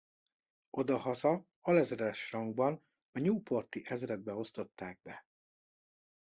Odahaza alezredes rangban a newporti ezredbe osztották be.